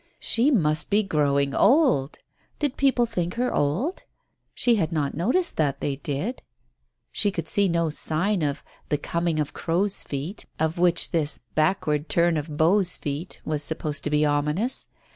She must be growing old ! Did people think her old ? She had not noticed that they did, she could see no sign of "the coming of the crows' feet/' of which this "back ward turn of beaus' feet " was supposed to be ominous.